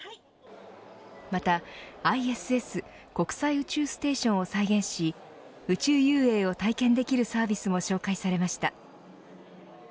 またＩＳＳ国際宇宙ステーションを再現し宇宙遊泳を体験できるサービスも紹介されました。